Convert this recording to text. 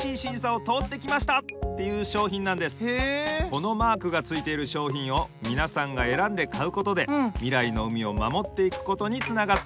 このマークがついているしょうひんをみなさんがえらんでかうことでみらいの海をまもっていくことにつながっていくのです。